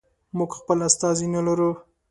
موږ خپل استازی نه لرو.